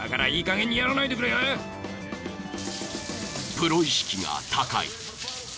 ［プロ意識が高い］